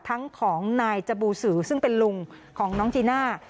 ทั้งของนายจบูสือซึ่งเป็นลุงของน้องจีน่า